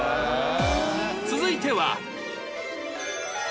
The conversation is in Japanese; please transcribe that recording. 続いては